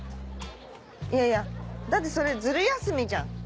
いやいやだってそれズル休みじゃん。